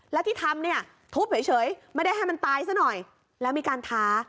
แล้วที่ทำเนี่ยทุบเฉยไม่ได้ให้มันตายซะหน่อยแล้วมีการท้า